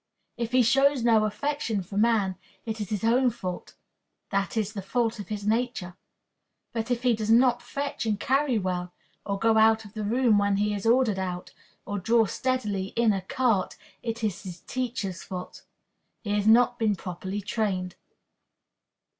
If he shows no affection for man, it is his own fault that is, the fault of his nature. But if he does not fetch and carry well, or go out of the room when he is ordered out, or draw steadily in a cart, it is his teacher's fault. He has not been properly trained.